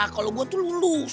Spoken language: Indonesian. kalau gue tuh lulus